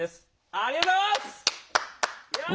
ありがとうございます！